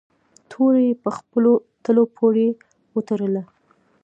توره یې په خپلو تلو پورې و تړله.